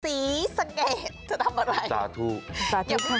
สีสะเกดจะทำอะไร